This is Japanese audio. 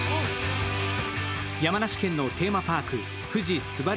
山梨県のテーマパーク富士すばる